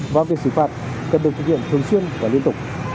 và việc xử phạt cần được thực hiện thường xuyên và liên tục